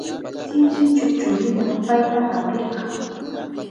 Sinchi chukchurina payta apirka.